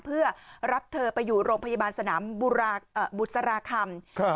เพื่อรับเธอไปอยู่โรงพยาบาลสนามบุษราคำ